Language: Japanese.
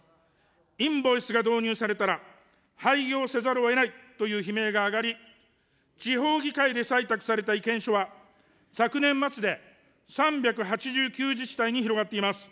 インボイスが導入されたら、廃業せざるをえないという悲鳴が上がり、地方議会で採択された意見書は、昨年末で３８９自治体に広がっています。